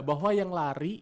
bahwa yang lari